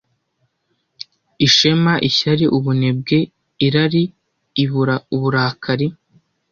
Ishema, Ishyari, Ubunebwe, Irari ibura Uburakari